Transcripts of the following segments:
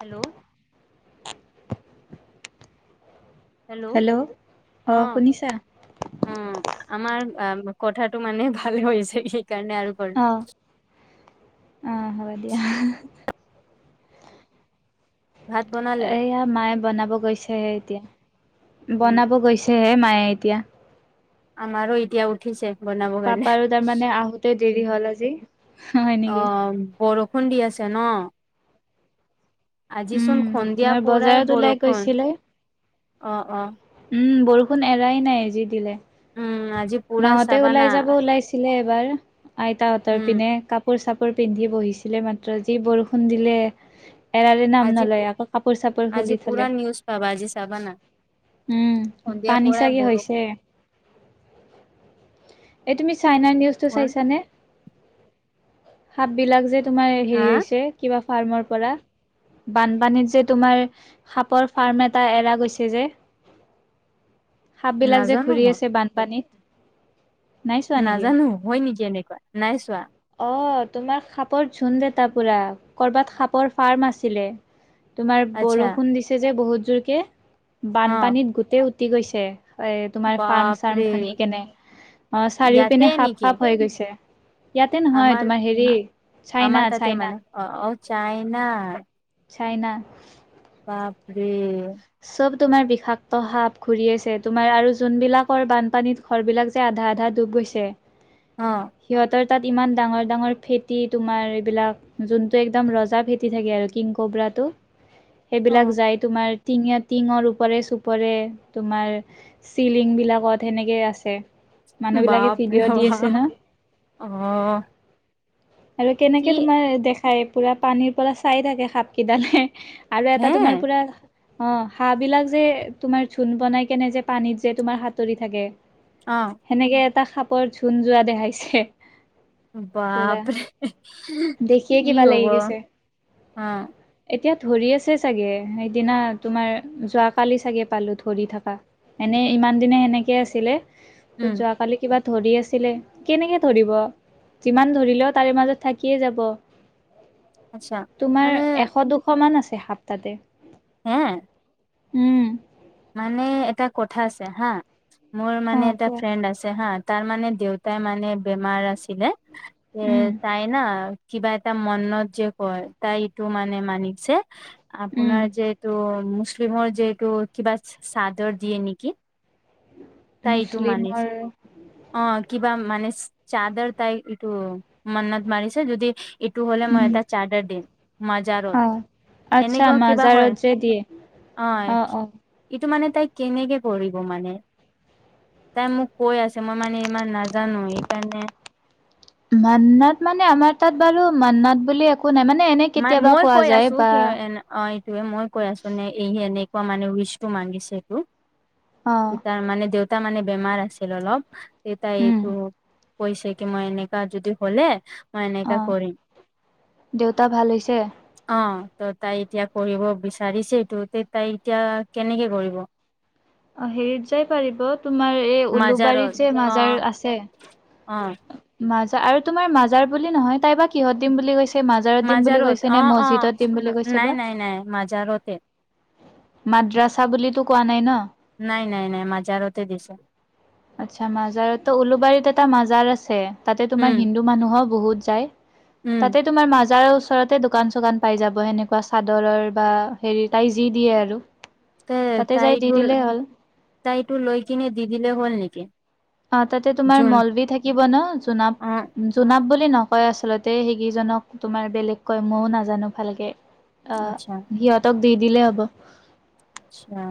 Hello. Hello অ অঁ। শুনিছা অ আমাৰ এ কথাতটো মানে ভালে হৈছে সেইকাৰণে আৰু। অঁ। হব দিয়া। ভাত বনালে এয়া মায়ে বনাব গৈছেহে এতিয়া উম বনাব গৈছেহে মায়ে এতিয়া। আমাৰো এতিয়া উঠিছে। বনাব কাৰণে পাপা ৰো তাৰমানে আহোতে দেৰি হ'ল আজি। হয় নেকি অঁ বৰষুণ দি আছে ন। আজি উম চোন সন্দিয়া তোমাৰ পৰাই বজাৰত ওলাই বৰষুণ গৈছিলে অ অ। উম বৰষুণ এৰাই নাই এজি দিলে উম আজি পুৰা মাহতে চাবানা ওলাই যাব ওলাইছ। ছিলে এবাৰ আইতাহতৰ উম পিনে কাপোৰ চাপ। কৰ পিন্ধি বহিছিলে মাত্ৰ যি বৰষুণ দিলে। এৰাল নাম আজি নলয় আকৌ কাপোৰ চাপোৰ খুলি থলে। কাবাজি চাবা না উম সন্ধিয়া পানী পৰাই চাগে বৰ। হৈছে এই তুমি চাইনা নিউজটো চাইছানে? সাপ বিলাক যে তোমাৰ হা হেৰি হৈছে কিবা ফাৰ্মৰ পৰা। বানপানীত যে তোমাৰ সাপৰ ফাৰ্ম এটা এৰা গৈছে যে। সাপ বিলাক যে নাজানো ঘূৰি মই আছে বানপানীত নাই চোৱা নেকি? নাজানো হয় নেকি, এনেকুৱা নাই চোৱা। অ তোমাৰ সাপৰ ঝুন দেটা পুৰা কৰ'বাত সাপৰ ফাৰ্ম আছিলে। তোমাৰ আচ্ছা বৰষুণ দিছে যে বহুত জোৰকে অ বানপানীত গোটেই উ- উতি গৈছে। এ তোমাৰ ফাৰ্ম চাৰ্ম বাপৰে ভাঙি কেনে অ চাৰিও ইয়াতে পিনে সাপ নেকি সাপ হৈ গৈছে। ইয়াতে নহয়। আমাৰ তোমাৰ হেৰি চাইনা আমাৰ তাতে চাইনা মানে অ ঔ চাইনা। চাইনা। বাপৰে। চব তোমাৰ বিষাক্ত সাপ ঘুৰি আছে তোমাৰ আৰু যোনবিলাকৰ বানপানীত। ঘৰবিলাক যে আধা আধা ডুব গৈছে। অ। সিহঁতৰ তাত ইমান ডাঙৰ ডাঙৰ ফেটি তোমাৰ এইবিলাক। যোনটো একদম ৰজা ফেটি থাকে আৰু কিং কবৰাটো অ সেইবিলাক যাই তোমাৰ- টিঙে টিঙৰ ওপৰে চোপৰে তোমাৰ- চিলিং বিলাকত সেনেকে আছে, মানুহ বিলাকে বাপৰে ভিডিঅ' দি আছে বাপ ন। অ। আৰু কি কেনেকে তোমাৰ দেখায় পুৰা পানীৰ পৰা চাই থাকে সাপ কেইডালে- আৰু হে এটা তোমাৰ পুৰা- অ হাঁহ বিলাক যে তোমাৰ ঝুন বনাই কেনে যে পানীত যে তোমাৰ সাতৰি থাকে। অঁ সেনেকে এটা খাপৰ ঝুণ যোৱা দেখাইছে। পুৰা বাপৰে দেখিয়ে কি কিবা লাগি হ'ব, গৈছে অ। এতিয়া ধৰি আছে চাগে! সেইদিনা তোমাৰ যোৱাকালি চাগে পালো ধৰি থাকা। এনে ইমান দিনে সেনেকে আছিলে, ত উম যোৱাকালি কিবা ধৰি আছিলে, কেনেকে ধৰিব যিমান ধৰিলে- তাৰে মাজত থাকি এ যাব। আচ্ছা তোমাৰ মানে এশ দুশ- সমান আছে সাপ তাতে। অঁ উম। মানে এটা কথা আছে হা, মোৰ মানে অ', এটা কোৱা। ফ্ৰেণ্ড আছে হা, তাৰ মানে দেউতাই মানে বেমাৰ আছিলে, এ উম, তাই না কিবা এটা মনত যে কয়, তাই এইটো মানে মানিছে। উম, আপোনাৰ যে এটো, মুছলিমৰ যে এটো কিবা চাদৰ দিয়ে নেকি? তাই এইটো মানিছ মুছলিমৰ অ কিবা মানে চাদৰ তাই এইটো মন্নত মাৰিছে, যদি এইটো হ'লে মই উম, এটা চাৰ্ডাৰ দিম। মাজাৰত, অ'। আচ্ছা এনেকুৱা কিবা মাজাৰত হয়। যে দিয়ে, আহ, অ', অ'। এইটো মানে তাই কেনেকে কৰিব মানে? তাই মোক কৈ আছে, মই মানে ইমান নাজানো। সেইকাৰণে মান্নাত মানে আমাৰ তাত বাৰু মান্নাত বুলি একো নাই মানে এনে মাই কেতিয়াবা মই কোৱা কৈ যায় আছো, বা কি এন অই তোৱে মই কৈ আছ নে, এই এনেকুৱা মানে উইচটো মাগিছেটো। অ', ই তাৰ মানে দেউতা মানে বেমাৰ আছিল অলপ, দেউতাই উম, এইটো কয় চাগে, মই এনেকা যদি হলে, মই এনেকা অ', কৰিম। দেউতা ভাল হৈছে? অ ত তাই এতিয়া কৰিব বিচাৰিছেটো তাই এতিয়া কেনেকে কৰিব? অ হেৰিত যাই পাৰিব, তোমাৰ এই মাজাৰত উলুবাৰীত যে অ মাজাৰ আছে। অ, মাজাৰ আৰু তোমাৰ মাজাৰ বুলি নহয়, তাই বা কিহত দিম বুলি কৈছে? মাজাৰত দিম বুলি কৈছে অ নে, অ মছজিদত দিম বুলি কৈছে নাই বা? নাই নাই মাজাৰতে মাদ্ৰাছা বুলিতো কোৱা নাই ন? নাই নাই নাই মাজাৰতে দিছে। আচ্ছা মাজাৰতো উলুবাৰীত এটা মাজাৰ আছে, তাতে তোমাৰ উম হিন্দু মানুহক বহুত যায়। উম তাতে তোমাৰ মাজাৰ ওচৰতে দোকান-চোকান পাই যাব। সেনেকুৱা চাদৰৰ বা হেৰি তাই যি দিয়ে আৰু। তে তাতে যাই তাই দি তোৰ, দিলেই হ'ল তাইটো লৈ কিনে দি দিলে হ'ল নেকি? অ তাতে তোমাৰ জোন মলবি থাকিব ন, জোনাব অ', জো জোনাব বুলি নকয় আচলতে, সেইকেইজনক তোমাৰ বেলেগ কয়, ময়ো নাজানো ভালকে। অ, আচ্ছা, সিহঁতক দি দিলেই হ'ব। আচ্ছা।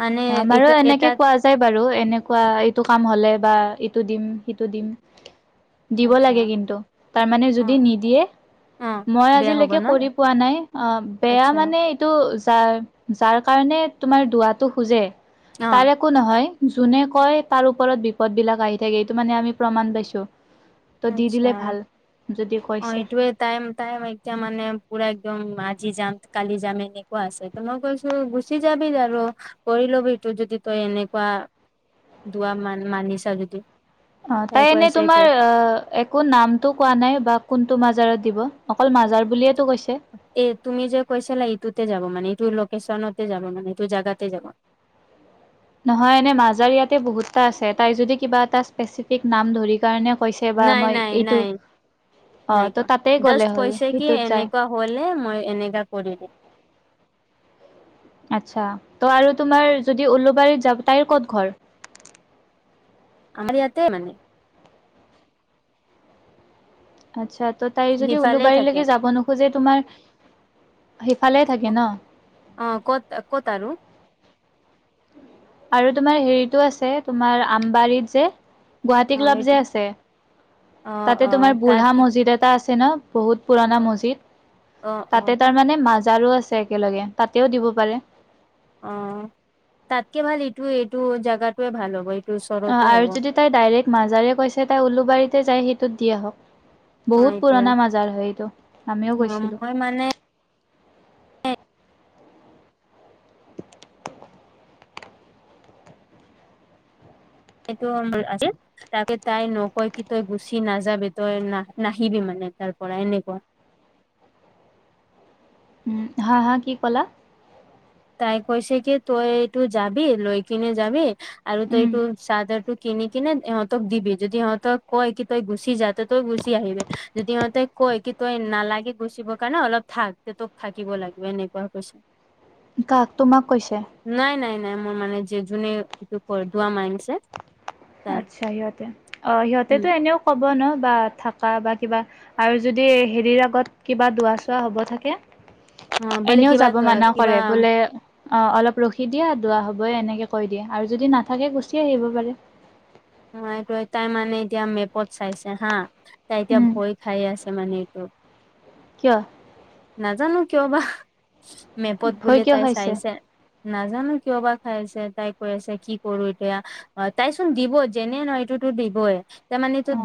মানে অ এক আমাৰো এনেকে এটাত কোৱাজ ই বাৰু, এনেকুৱা এইটো কাম হলে বা ইটো দিম, সিটো দিম। দিব আচ্ছা লাগে কিন্তু, তাৰমানে যদি অ', নিদিয়ে অ', মই বিয়া হ'ব আজিলৈকে ন? কৰি পোৱা নাই, অ বেয়া আচ্ছা মানে তো যাৰ যাৰ কাৰণে তোমাৰ দুৱাটো খোজে, অ', তাৰে একো নহয়। যোনে কয় তাৰ ওপৰত বিপদ বিলাক আহি থাকে, এইটো মানে আমি প্ৰমাণ পাইছো। ত' দি আচ্ছা দিলে ভাল। যদি অ কৈছে। এইটোৱে টাইম টাইম এতিয়া মানে পুৰা একদম আজি যাম, কালি যাম এনেকুৱা আছে। মই কৈছো গুচি যাবি আৰু কৰি লবি তো যদি তই এনেকুৱা দোৱা মান মানি চলিবি। অ তাই এনেই তোমাৰ অ একো নামটো কোৱা নাই বা কোনটো মাজাৰত দিব, অকল মাজাৰ বুলিয়েতো কৈছে? এ তুমি যে কৈছিলা ইটোতে যাব মানে, ইটোৰ লোকেশ্যনতে যাব মানে, ইটোৰ জাগাতে যাব। নহয় এনে মাজাৰ ইয়াতে বহুতটা আছে, তাই যদি কিবা এটা স্পেচিফিক নাম ধৰি কাৰণে কৈছে বা নাই, মই নাই, এইটো নাই, অ নাই কোৱা ত তাতে গ'লে জাষ্ট হ'ল কৈছে কি সেইটোত যায়। এনেকুৱা হ'লে মই এনেকা কৰি দিম। আত্চ্ছা ত আৰু তোমাৰ যদি ওল্লোবাৰীত যাব, তাইৰ ক'ত ঘৰ? আমাৰ ইয়াতে মানে। আচ্ছা ত তাই যদি সিফালে থাকে উল্লোবাৰীলৈকে যাব নোখোজে, তোমাৰ সিফালে থাকে ন। অ ক'ত ক'ত আৰু। আৰু তোমাৰ হেৰিতো আছে তোমাৰ আমবাৰীত যে। গুৱাহাটী অ ক্লাব যে এইটো আছে অ তাতে অ তোমাৰ বুঢ়া তাতকে মছজিদ এটা আছে ন। বহুত পুৰণা অ মজিদ অ তাতে তাৰমানানে মাজাৰো আছে একেলগে তাতেও দিব পাৰে। অ তাতকে ভাল এইটোৱে এইটো জোগাটোৱে ভাল হ'ব এইট- অ আৰু যদি তাই ডাইৰেক্ট মাজাৰে কৈছে তাই উলুবাৰীতে যাই সেইটোত দি আহক। অ বহুত এইটোয়ে পুৰণা মাজাৰ হয় এইটো আমিও অ গৈছিলো। মই মানে এইটো হম বুলি আজি। তাকে তাই নকয় কি তই গুচি নাযাবি তই না নাহিবি মানে তাৰ পৰা এনেকুৱা উম হা হা কি ক'লা? তাই কৈছে কি তই এইটো যাবি লৈ কিনে যাবি আৰু তই উম এইটো চাদৰ টো কিনি কিনে ইহঁতক দিবি যদি সিহঁতক কয় কি তই গুচি যা তই গুচি আহিবি। যদি সিহঁতেই কয় কি তই নালাগে গুচিব কাৰণে অলপ থাক তে তোক থাকিব লাগিব এনেকুৱা কৈছ- কাক তোমাক কৈছে? নাই নাই নাই মোৰ মানে যে যোনে এইটো দোৱা মানছে। আচ্ছা সিহঁতে অ, উম সিহঁতেতো এনেও ক'ব ন বা থাকা বা কিবা আৰু যদি হেৰিৰ আগত কিবা দুৱা চোৱা হ'ব থাকে। অ বোলে এনেও কিবা যাব মানা কিবা কৰে বোলে অ, অলপ ৰখি দিয়া দুৱা হবই এনেকে কৈ দিয়ে আৰু যদি নাথাকে গুচি আহিব পাৰে। এইটো তাই মানে এতিয়া মেপত চাইছে হা, তাই এতিয়া উম ভয় খাই আছে মানে এইটো। কিয়? নাজানো কিয় বা মেপত ভয় বোলে কিয় তাই খাইছে চাইছে। নাজানো কিয় বা খাই আছে তাই কৈ আছে কি কৰো এতিয়া। অ তাইচোন দিব যেনে নহয় এইটোতো দিবই। তাৰ মানে অ এইটোত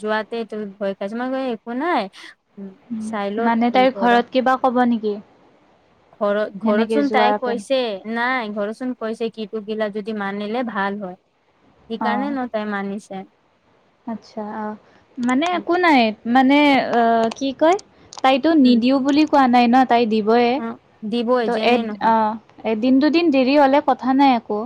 যোৱাতে এইটো ভয় খাইছ মই গৈ একো নাই। উম চাইলত মানে কি তাইৰ কৰা ঘৰত কিবা ক'ব নেকি ঘৰত সেনেকে ঘৰতচোন যোৱাৰ তাই কেন কৈছে নাই ঘৰচোন কৈছে কিটো বিলা যদি মানিলে ভাল হয় অ সেইকাৰণে ন- তাই মানিছে। আচ্ছা মানে উম একো নাই মানে কি কয়। তাইতো উম নিদিও বুলি কোৱা নাই ন তাই দিবয়ে অ দিবই ত' যেনে এদ নহয় অ। এদিন দুদিন দেৰি হলে কথা নাই একো।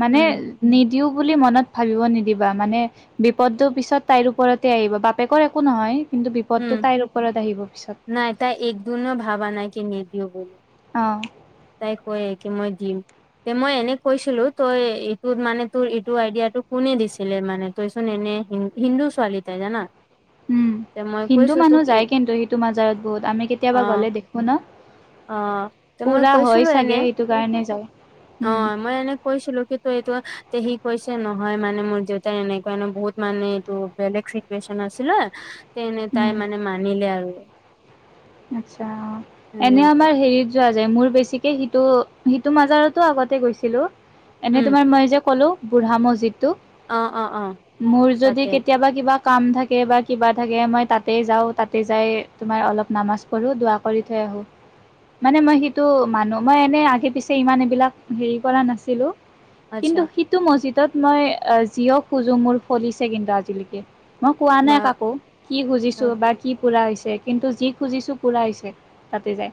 মানে উম নিদিও বুলি মনত ভাবিব নিদিবা মানে বিপদটো পিছত তাইৰ ওপৰতে আহিব বাপেকৰ একো নহয় কিন্তু উম বিপদটো তাইৰ ওপৰত আহিব পিছত। নাই তাই এক দুনো ভাৱা নাই কে নিদিও বুলি। অ। তাই কয়ে কি মই দিম। তে মই এনে কৈছিলো তই এইটোত মানে তোৰ এইটো আইডিয়াটো কোনে দিছিলে মানে। তইচোন এনে হিন্দু ছোৱালী তাই জানা। উম তে মই হিন্দু কৈছো মানুহ তোক এ যায় কিন্তু সেইটো মাজাৰত বহুত আমি অ কেতিয়াবা গ'লে দেখো ন? অ তে মই পুৰা কৈছিলো হয় এনে চাগে সেইটো কাৰণে যায়, অ উম। মই এনেই কৈছিলো কিন্তু এইটো তে সি কৈছে নহয় মানে মোৰ দেউতাই এনেকুৱা বহুত মানে এইটো বেলেগ চিটুৱেচন আছিলে তেনে তাই উম মানে মানিলে আৰু। আচ্ছা, এনে তেনেকুৱা আমাৰ হেৰিত যোৱা যে মোৰ বেছিকে সিটো সিটো মাজাৰত আগতে গৈছিলো। এনেই উম তোমাৰ মই যে ক'লো বুঢ়া মছজিদটো। অ অ অ মোৰ যদি তাতে কেতিয়াবা কিবাক কাম থাকে বা কিবা থাকে মই তাতে যাওঁ তাতে যাই তোমাৰ অলপ নামাজ পঢ়োঁ দুৱ কৰি থৈ আহোঁ। মানে মই সেইটো মানোহ মই এনে আগে পিছে ইমান এইবিলাক হেৰি কৰা নাছিলো। আচ্ছা কিন্তু সিটো মজিদত মই জিয়ক খুজো মোৰ ফলিছে কিন্তু আজিলৈকে। মই কোৱা বা নাই কাকো কি খুজিছো বা কি পুৰা হৈছে কিন্তু যি খুজিছোঁ পুৰা হৈছে তাতে যায়।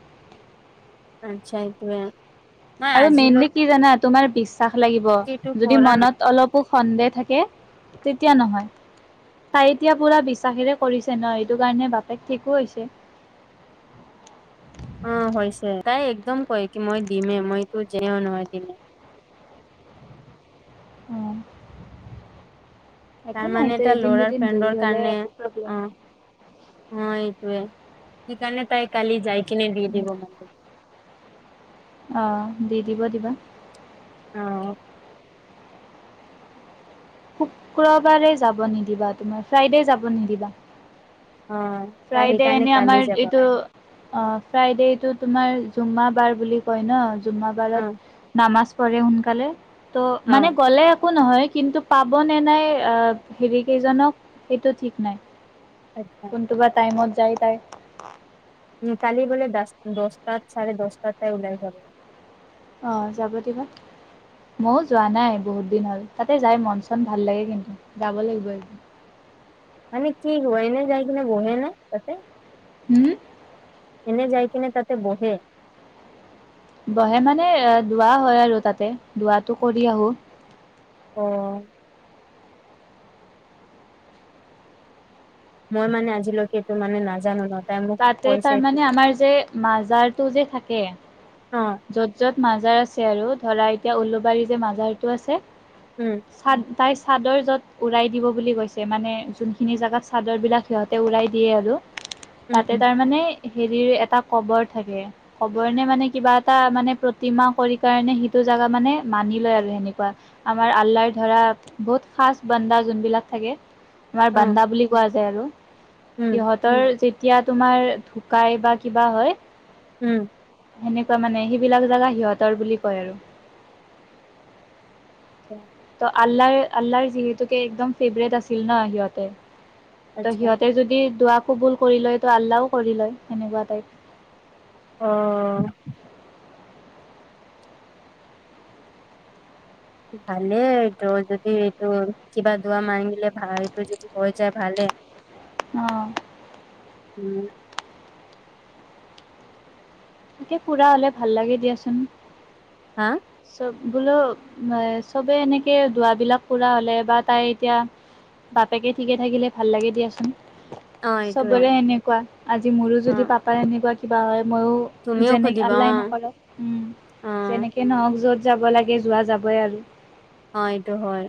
আচ্ছা এইটোৱে। আৰু মেইনলি কি জানা তোমাৰ বিশ্বাস লাগিব এইটো যদি কৰা নাই মনত অলপ সু সন্দেহ থাকে তেতিয়া নহয়। তাই এতিয়া পুৰা বিশ্বাসেৰে কৰিছে ন এইটো কাৰণে বাপেক ঠিকো হৈছে। অ, হৈছে তাই একদম কয় কি মই দিমে মই তো যে নহয় দিমে অ, একো তাৰ মানে নাইত এটা এদিন ল'ৰাৰ দুদিন ফ্ৰেণ্ডৰ দেৰি হলে কাৰণে একো প্ৰব্লেম অ', নাই। অ, এইটোৱে সেইকাৰণে তাই কালি যাই কিনে দি দিব মানে। অ, দি দিব দিবা। অ। শুক্ৰবাৰে যাব নিদিবা তুমাৰ ফ্ৰাইডে যাব নিদিবা। হয় ফ্ৰাইডে এনে আমাৰ এইটো অ ফ্ৰাইডেটো তোমাৰ জুম্মাবাৰ বুলি কয় ন অ', জুম্মাবাৰত নামাজ পঢ়ে সোনকালে ত' মানে অ', গ'লে একো নহয় কিন্তু পাব নে নাই হেৰি কেইজনক সেইটো ঠিক নাই। আচ [unintelligible] টোবা টাইমত যায় তাইৰ। উ, কালি বলে দ দহটাত চাৰে দহটাত তে ওলাই যাব। অ, যাব দিবা। ময়ো যোৱা নাই বহুত দিন হ'ল তাতে যাই মন চন ভাল লাগে কিন্তু যাব লাগিব এদিন। মানে কি হয় এনে যাই কিনে বহে ন তাতে। [unintelligible] এনে যাই কিনে তাতে বহে। বহে মানে এ দুৱোৱা হয় আৰু তাতে দুৱটো কৰি আহো। অ। মই মানে আজিলৈকেটো মানে নাজানো ন। তাই মোক তাতে কৈছে কি তাৰমানানে আমাৰ যে মাজাৰতটো যে থাকে। অ য'ত য'ত মাজাৰ আছে আৰু ধৰা এতিয়া উলোবাৰীতে মাজাৰটো আছে। উম চাদ তাই চাদৰ য'ত উৰাই দিব বুলি কৈছে মানে যোনখিনি জেগাত চাদৰ বিলাক সিহঁতে উৰাই দিয়ে আৰু। উম, তাতে উম, তাৰ মানে হেৰিৰ এটা কবৰ থাকে, কবৰ নে মানে কিবা এটা মানে প্ৰতিমা কৰি কাৰণে সিটো জেগা মানে মানি লয় আৰু সেনেকুৱা। আমাৰ আল্লাৰ ধৰা বহুত খাজ বান্দা যোনবিলাক থাকে। আমাৰ অ', বান্দা বুলি কোৱা যায় আৰু সিহঁত। উম, সিহঁতৰ যেতিয়া তোমাৰ ঢুকাই বা কিবা হয়', উম', সেনেকুৱা মানে, সেইবিলাক জেগা সিহঁতৰ বুলি কয় আৰু', অহ', ত আল্লাহ-আল্লাহাৰ যিহেতু কে একদম ফেভৰেট আছিল ন সিহঁতে', ত আচ্ছা সিহঁতে যদি দুৱা কোবুল কৰি লয় তো আল্লাহও কৰি লয় সেনেকুৱা টাইপ। অ। ভালে এইটো যদি এইটো কিবা দোৱা মানিলে এইটো যদি হৈ যায় ভালে। অ উম তাকে, ফুৰা হ'লে ভাল লাগে দিয়াচোন', হা', চব, বোলোঁ এই', চবেই এনেকৈ দুৱাবিলাক পুৰা হ'লে বা তাই এতিয়া', বাপেকে ঠিকে থাকিলে ভাল লাগে দিয়াচোন', অ' এইটোয়ে চবৰে সেনেকুৱা, আজি মোৰো যদি অ' পাপাৰ এনেকুৱা কিবা হয় মইয়ো', তুমিও যেনেকে', সুধিবা আল্লাই অ' নকৰক উম', অ' যেনেকে নহওঁক য'ত যাব লাগে যোৱা যাবই আৰু', অ', এইটো হয়',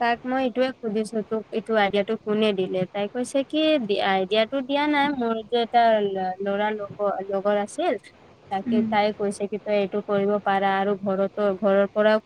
তাইক মই এইটোৱে সুধিছোঁ তোক এইটো আইডিয়াটো কোনে দিলে তাই কৈছে কি দি', এ', আইডিয়া', টো দিয়া নাই, মোৰ যে এটা ল', -ল'ৰাৰ লগ', - লগৰ আছিল', তাকে উম তাই কৈছে কি তই এইটো কৰিব পাৰা আৰু ঘৰতো, ঘৰৰ পৰাও',